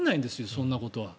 そんなことは。